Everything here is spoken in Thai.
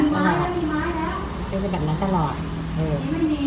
ตลอดเดินไปแบบนั้นตลอดเฮ้ย